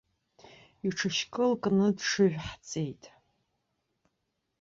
Иҽышькыл кны дҽыжәҳҵеит!